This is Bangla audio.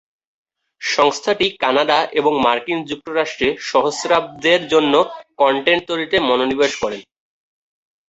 সংস্থাটি কানাডা এবং মার্কিন যুক্তরাষ্ট্রে সহস্রাব্দের জন্য কন্টেন্ট তৈরিতে মনোনিবেশ করে।